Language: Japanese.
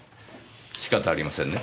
仕方ありませんね。